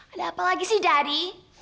ada apa lagi sih dari